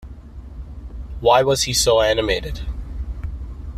Why was he so animated?